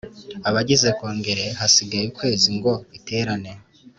abagize Kongere hasigaye ukwezi ngo iterane